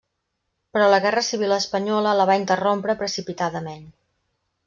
Però la guerra civil espanyola la va interrompre precipitadament.